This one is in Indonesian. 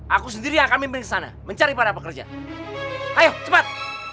aku sendiri yang akan memberi sana mencari pada pekerja ayo cepat